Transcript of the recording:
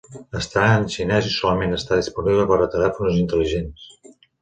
Està en xinès i solament està disponible per a telèfons intel·ligents.